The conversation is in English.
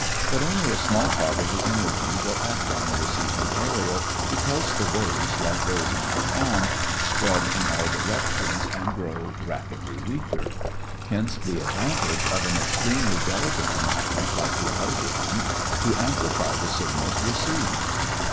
But only a small part of the energy will act on the receiving aërial because the waves like those on the pond spread in all directions and grow rapidly weaker. Hence the advantage of an extremely delicate instrument like the audion to amplify the signals received.